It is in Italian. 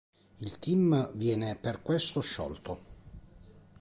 Il team viene per questo sciolto.